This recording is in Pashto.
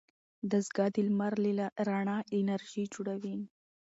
دستګاه د لمر له رڼا انرژي جوړوي.